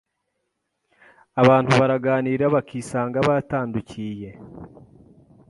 abantu baraganira bakisanga batandukiye,